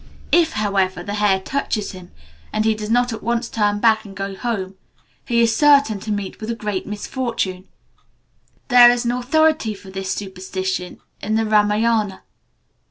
If, however, the hare touches him, and he does not at once turn back and go home, he is certain to meet with a great misfortune. There is an authority for this superstition in the Ramayana.